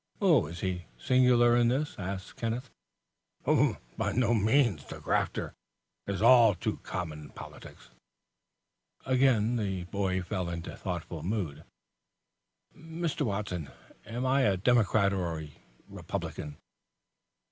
"Oh. Is he singular in this?" "By no means. The 'grafter' is all too common in politics." Again the boy fell into a thoughtful mood. "Mr. Watson, am I a Democrat or a Republican?"